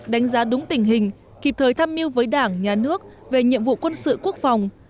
đánh giá đúng tình hình kịp thời tham mưu với đảng nhà nước về nhiệm vụ quân sự quốc phòng